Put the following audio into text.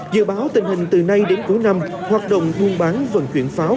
dự báo tình hình từ nay đến cuối năm hoạt động buôn bán vận chuyển pháo